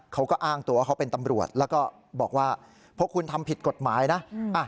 เขาก็อ้างตัวว่าเขาเป็นตำรวจแล้วก็บอกว่าพวกคุณทำผิดกฎหมายนะ